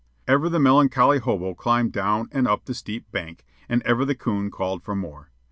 Ever the melancholy hobo climbed down and up the steep bank, and ever the coon called for more.